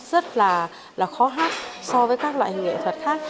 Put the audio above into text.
rất là khó hát so với các loại hình nghệ thuật khác